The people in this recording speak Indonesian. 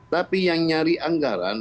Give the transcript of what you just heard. tapi yang nyari anggaran